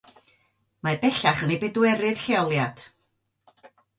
Mae bellach yn ei bedwerydd lleoliad.